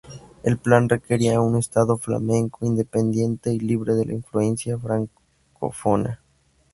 El plan requería un estado flamenco independiente y libre de la influencia francófona.